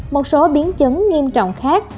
một số biến chứng nghiêm trọng khác